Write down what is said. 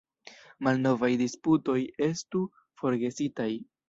Malnovaj disputoj estu forgesitaj.